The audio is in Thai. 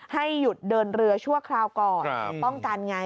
ให้หยุดเดินเรือชั่วคราวก่อนป้องกันไง